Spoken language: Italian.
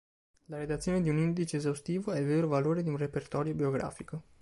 La redazione di un indice esaustivo è il vero valore di un repertorio biografico.